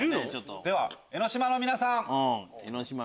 江の島の皆さん！